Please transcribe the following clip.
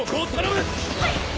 はい！